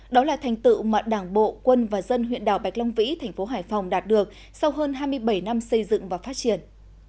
đó là thành tựu mà đảng bộ quân và dân huyện đảo bạch long vĩ thành phố hải phòng đạt được sau hơn hai mươi bảy năm xây dựng và phát triển